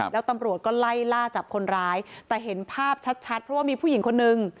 แล้วตำรวจก็ไล่ล่าจับคนร้ายแต่เห็นภาพชัดเพราะว่ามีผู้หญิงคนนึง